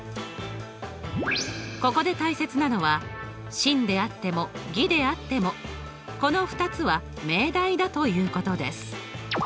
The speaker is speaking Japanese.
ここで大切なのは真であっても偽であってもこの２つは命題だということです。